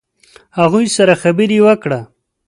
هغوی سره خبرې وکړه.